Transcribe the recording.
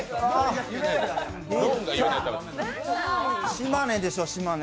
島根でしょ、島根。